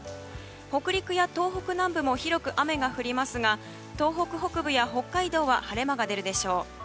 北陸や東北南部も広く雨が降りますが東北北部や北海道は晴れ間が出るでしょう。